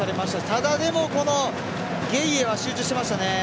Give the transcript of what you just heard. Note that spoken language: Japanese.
ただ、でも、このゲイエは集中してましたね。